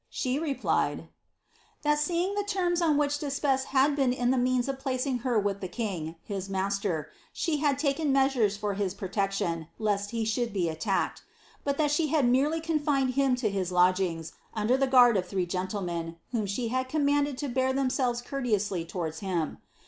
She replied, ^ that seeing the terms on which D'Espes had been the means of placing her with the king, his master, she had taken measures Ibr his protection, lest he should be attacked ; but she had merely con fined him to his lodgings, under the guard of three gentlemen, whom ihe had commanded to bear themselves courteously towards him.